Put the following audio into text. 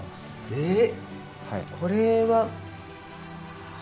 えっ！